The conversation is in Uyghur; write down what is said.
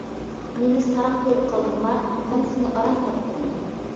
-مېنى ساراڭ كۆرۈپ قالدىڭما؟ مەن سېنى ئاران تاپتىم.